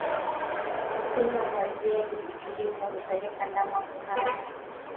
Kunywa maziwa kupitiliza hupelekea ndama kuhara